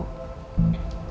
makanya kami memilih apartemen bu